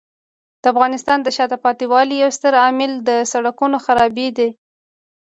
د افغانستان د شاته پاتې والي یو ستر عامل د سړکونو خرابي دی.